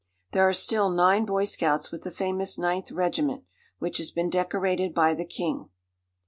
There are still nine boy scouts with the famous Ninth Regiment, which has been decorated by the king.